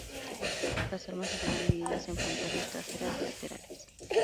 Las armas están divididas en frontales, traseras y laterales.